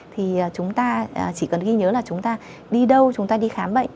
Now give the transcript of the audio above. thì chúng ta chỉ cần ghi nhớ là chúng ta đi đâu chúng ta đi khám bệnh